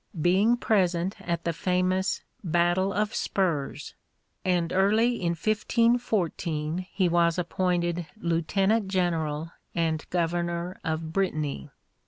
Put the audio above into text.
being present at the famous "Battle of Spurs;" and early in 1514 he was appointed Lieutenant General and Governor of Brittany.